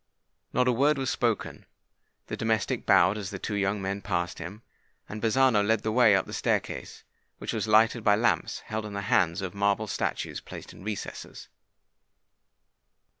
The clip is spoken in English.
Not a word was spoken: the domestic bowed as the two young men passed him; and Bazzano led the way up the staircase, which was lighted by lamps held in the hands of marble statues placed in recesses.